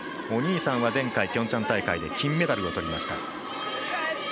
お兄さんは前回のピョンチャン大会で金メダルをとりました。